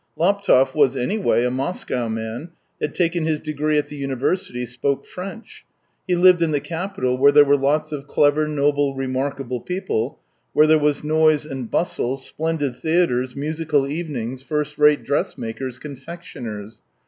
Laptev was. anyway, a Moscow man, had taken his degree at the university, spoke French. He lived in the capital, where there were lots of clever, noble, remarkable people; where there was noise and bustle, splendid theatres, musical evenings, first rate dressmakers, con fectioners.